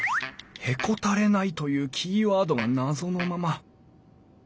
「へこたれない」というキーワードが謎のまま。